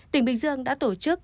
tỉnh bình dương đã tổ chức